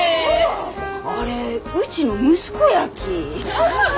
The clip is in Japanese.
あれうちの息子やき。